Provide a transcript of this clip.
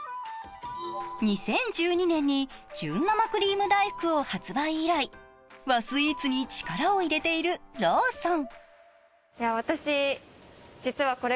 ２０１２年に純生クリーム大福を発売以来和スイーツに力を入れているローソン。